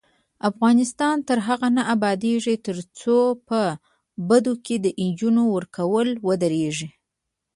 افغانستان تر هغو نه ابادیږي، ترڅو په بدو کې د نجونو ورکول ودریږي.